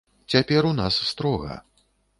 Цяпер у нас строга.